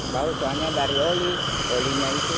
bau suaranya dari oli